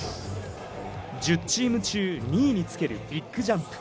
１０チーム中２位につけるビッグジャンプ。